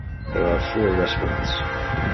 There are four restaurants.